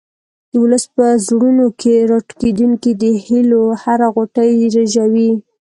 د ولس په زړونو کې راټوکېدونکې د هیلو هره غوټۍ رژوي.